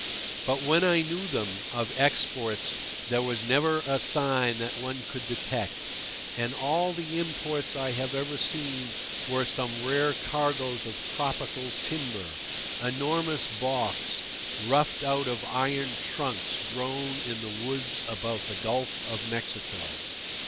But when I knew them, of exports there was never a sign that one could detect; and all the imports I have ever seen were some rare cargoes of tropical timber, enormous baulks roughed out of iron trunks grown in the woods about the Gulf of Mexico.